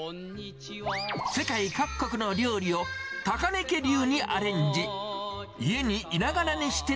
世界各国の料理を高根家流にアレンジ。